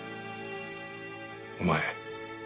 お前